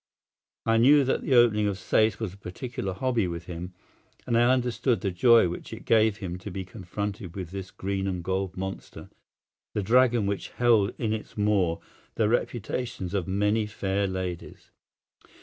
I knew that the opening of safes was a particular hobby with him, and I understood the joy which it gave him to be confronted with this green and gold monster, the dragon which held in its maw the reputations of many fair ladies.